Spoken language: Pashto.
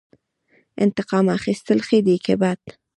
انتقام اخیستل ښه دي که بد؟